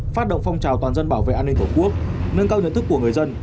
phát động phong trào toàn dân bảo vệ an ninh tổ quốc nâng cao nhận thức của người dân